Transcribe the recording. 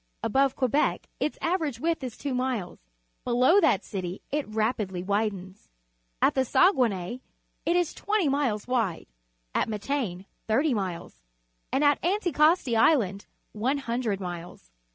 Above Quebec its average width is two miles; below that city it rapidly widens. At the Saguenay, it is twenty miles wide, at Matane thirty miles, at Anticosti Island one hundred miles.